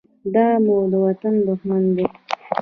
دا مو د وطن دښمن دى.